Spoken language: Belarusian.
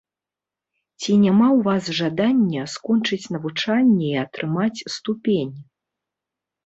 Ці няма ў вас жадання скончыць навучанне і атрымаць ступень?